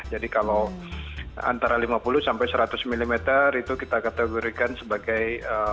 jadi kalau antara lima puluh sampai seratus mm itu kita kategorikan sebagai